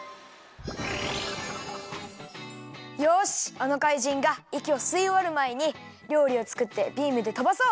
あのかいじんがいきをすいおわるまえにりょうりをつくってビームでとばそう！